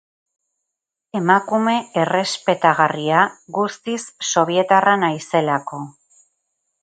Emakume errespetagarria, guztiz sobietarra naizelako.